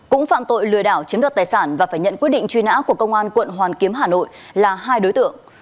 cũng phạm tội lừa đảo chiếm đoạt tài sản và phải nhận quyết định truy nã của công an quận hoàn kiếm hà nội là hai đối tượng